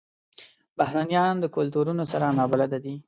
بهرنیان د کلتورونو سره نابلده دي.